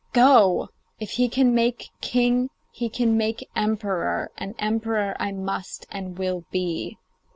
Go! If he can make king he can make emperor, and emperor I must and will be.